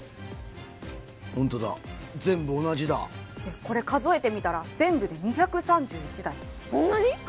ホントだ全部同じだこれ数えてみたら全部で２３１台そんなに？